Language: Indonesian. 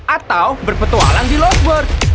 atau berpetualang di lost world